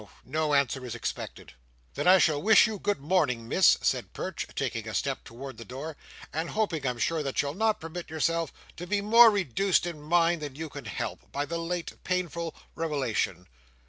No answer is expected." "Then I shall wish you good morning, Miss," said Perch, taking a step toward the door, and hoping, I'm sure, that you'll not permit yourself to be more reduced in mind than you can help, by the late painful rewelation.